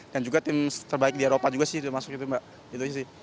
dan juga tim terbaik di eropa juga sih sudah masuk ke dunia itu